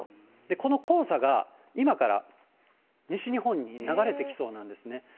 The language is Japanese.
この黄砂が、今から西日本に流れてきそうなんですね。